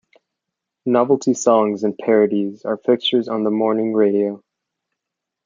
Novelty songs and parodies are fixtures on morning radio.